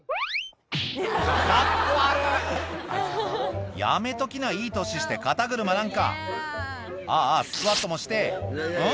カッコ悪やめときないい年して肩車なんかあぁあぁスクワットもしてうん？